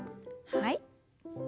はい。